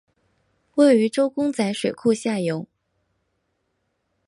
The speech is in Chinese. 位于周公宅水库下游。